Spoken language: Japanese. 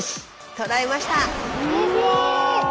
捉えました！